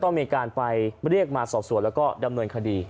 ต้องไปเส่อสวนและดำเนินคดี